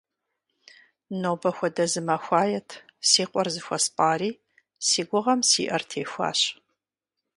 Нобэ хуэдэ зы махуает си къуэр зыхуэспӀари, си гугъэм си Ӏэр техуащ.